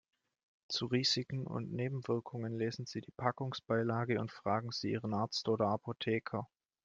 Zu Risiken und Nebenwirkungen lesen Sie die Packungsbeilage und fragen Sie Ihren Arzt oder Apotheker.